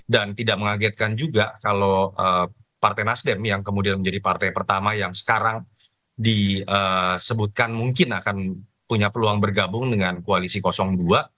dan tidak mengagetkan juga kalau partai nasdem yang kemudian menjadi partai pertama yang sekarang disebutkan mungkin akan punya peluang bergabung dengan koalisi kosong dua